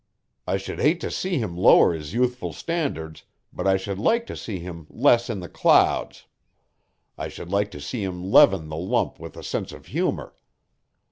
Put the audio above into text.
"I should hate to see him lower his youthful standards, but I should like to see him less in the clouds. I should like to see him leaven the lump with a sense of humor.